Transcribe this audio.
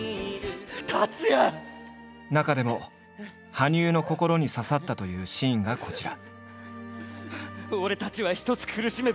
中でも羽生の心に刺さったというシーンがこちら。